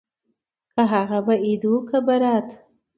که هغه به عيد وو که ببرات.